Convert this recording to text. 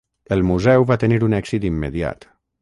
El museu va tenir un èxit immediat.